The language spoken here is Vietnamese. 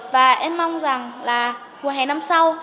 và em mong rằng là mùa hè năm sau